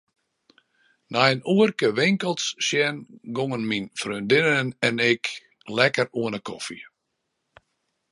Nei in oerke winkels sjen gongen myn freondinne en ik lekker oan 'e kofje.